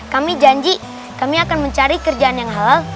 kami janji kami akan mencari kerjaan yang halal